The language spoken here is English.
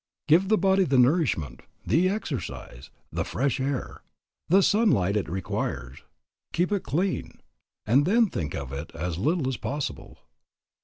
Give the body the nourishment, the exercise, the fresh air, the sunlight it requires, keep it clean, and then think of it as little as possible.